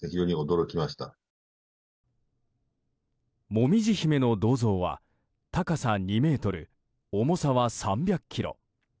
もみじ姫の銅像は高さ２ｍ重さは３００ｋｇ。